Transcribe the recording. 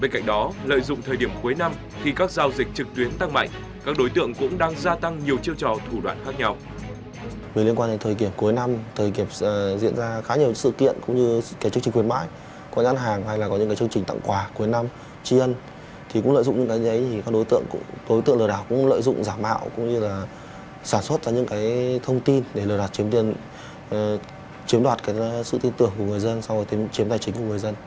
bên cạnh đó lợi dụng thời điểm cuối năm thì các giao dịch trực tuyến tăng mạnh các đối tượng cũng đang gia tăng nhiều chiêu trò thủ đoạn khác nhau